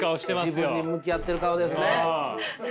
自分に向き合ってる顔ですね。